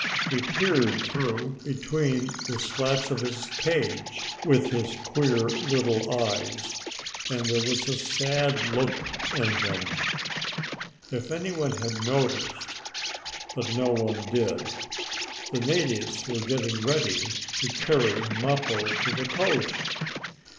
He peered through between the slats of his cage with his queer little eyes, and there was a sad look in them, if any one had noticed. But no one did. The natives were getting ready to carry Mappo to the coast.